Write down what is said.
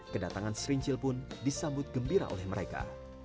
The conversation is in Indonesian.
kedatangan serincil pun disambut gembira oleh mereka